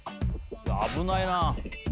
危ないな。